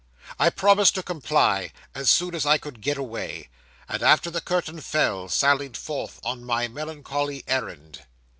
I promised to comply, as soon as I could get away; and after the curtain fell, sallied forth on my melancholy errand.